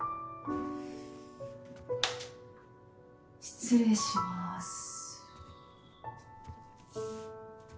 失礼します。